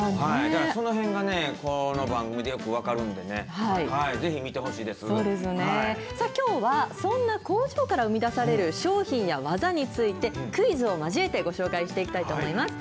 そのへんがね、この番組でよく分そうですね、きょうはそんな工場から生み出される商品や技について、クイズを交えてご紹介していきたいと思います。